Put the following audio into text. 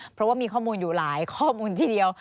เพราะว่ามีข้อมูลอยู่หลายข้อมูลทีเดียว